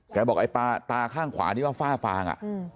บอกไอ้ตาข้างขวาที่ว่าฝ้าฟาง